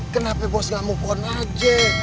kenapa bos gak mau pohon aja